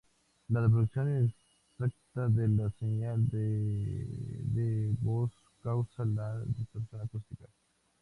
La reproducción inexacta de la señal de de voz causa la distorsión acústica.